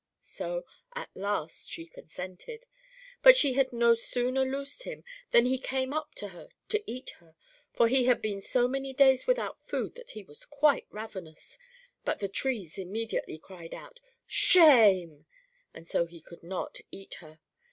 So at last she consented; but she had no sooner loosed him, than he came up to her to eat her, for he had been so many days without food that he was quite ravenous, but the trees immediately cried out, "Shame," and so he could not eat her.